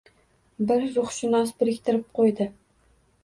Bir ruhshunos biriktirib qo’ydi.